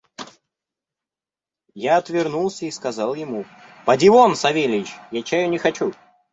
Я отвернулся и сказал ему: «Поди вон, Савельич; я чаю не хочу».